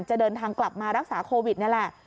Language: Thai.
จะเดินทางกลับมารักษาโควิดนี่แหละ